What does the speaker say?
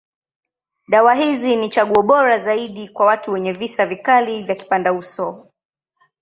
Dawa hizi ni chaguo bora zaidi kwa watu wenye visa vikali ya kipandauso.